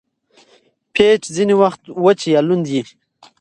پيچ ځیني وخت وچ یا لوند يي.